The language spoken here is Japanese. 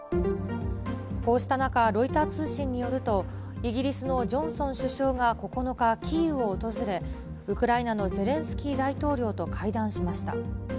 こうした中、ロイター通信によると、イギリスのジョンソン首相が９日、キーウを訪れ、ウクライナのゼレンスキー大統領と会談しました。